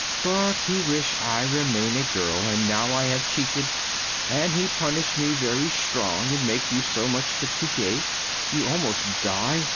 But He wish I remain a girl, and now I have cheated and He punish me very strong in make you so much fatigue you almost die.